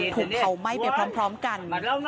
ถูกเผาไหม้ไปพร้อมกัน